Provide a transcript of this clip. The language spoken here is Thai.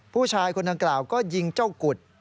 ผู้ชายคนดังกล่าวก็ยิงเจ้ากุฎ